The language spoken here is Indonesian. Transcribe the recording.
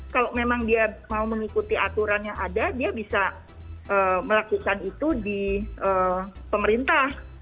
kalau memang dia mau mengikuti aturan yang ada dia bisa melakukan itu di pemerintah